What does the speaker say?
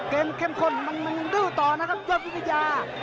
เข้มข้นมันยังดื้อต่อนะครับยอดวิทยา